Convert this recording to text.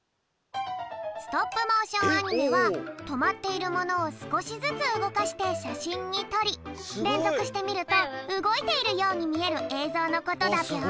ストップモーションアニメはとまっているものをすこしずつうごかしてしゃしんにとりれんぞくしてみるとうごいているようにみえるえいぞうのことだぴょん。